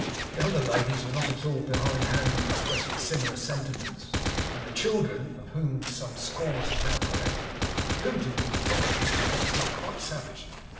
The other ladies were not at all behind hand in expressing similar sentiments; and the children, of whom some scores had now collected, hooted and defied Mr Pecksniff quite savagely.